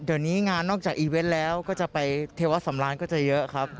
เดี๋ยวนี้งานนอกจากยินดีแล้วก็จะไปเทวาสำรรค์เยอะ